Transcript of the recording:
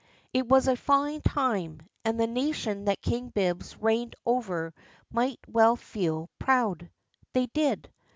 It was a fine time, and the nation that King Bibbs reigned over might well feel proud. They did.